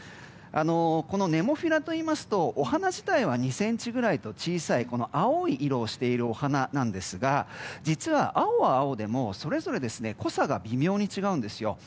このネモフィラといいますとお花自体は２ｃｍぐらいと小さい青い色をしているお花ですが実は青は青でもそれぞれ濃さが微妙に違うんですよ。